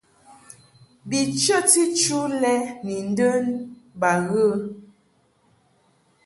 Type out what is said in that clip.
Bi chəti chu lɛ ni ndə ba ghə.